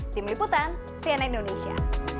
tim liputan cnn indonesia